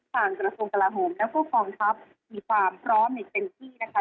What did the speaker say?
ทางกระทรวงกราหมและผู้ความทรัพย์มีความพร้อมในเต็มที่นะคะ